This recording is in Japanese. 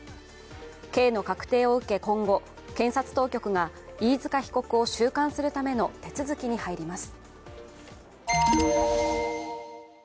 刑の確定を受け今後、検察当局が飯塚被告を収監するための手続きに入ります。